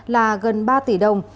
là gần ba tỷ đồng